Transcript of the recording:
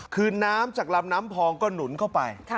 คือน้ำจากลำน้ำพองก็หนุนเข้าไป